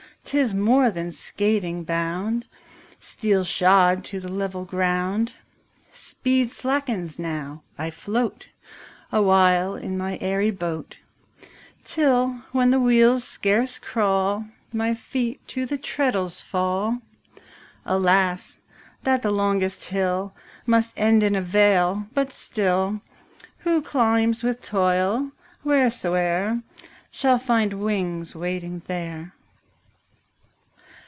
'Tis more than skating, bound 15 Steel shod to the level ground. Speed slackens now, I float Awhile in my airy boat; Till, when the wheels scarce crawl, My feet to the treadles fall. 20 Alas, that the longest hill Must end in a vale; but still, Who climbs with toil, wheresoe'er, Shall find wings waiting there.